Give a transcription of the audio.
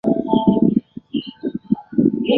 蒙克莱。